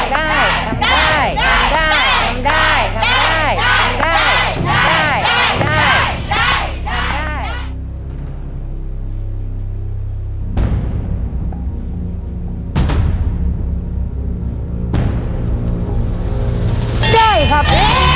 ได้ครับ